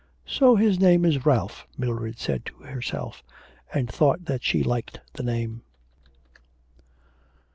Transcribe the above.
'So his name is Ralph,' Mildred said to herself, and thought that she liked the name.